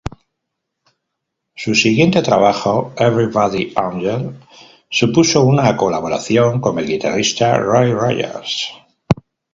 Su siguiente trabajo, "Everybody's Angel", supuso una colaboración con el guitarrista Roy Rogers.